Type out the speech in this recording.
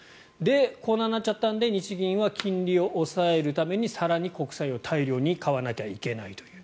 こんなになっちゃったので日銀は金利を抑えるために更に国債を買わないといけないと。